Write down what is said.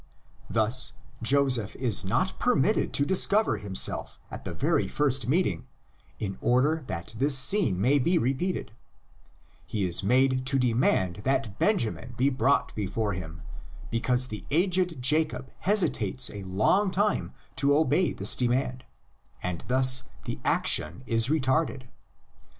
Thus Joseph is not per mitted to discover himself at the very first meeting, in order that this scene may be repeated; he is made to demand that Benjamin be brought before him, because the aged Jacob hesitates a long time to obey this demand, and thus the action is retarded.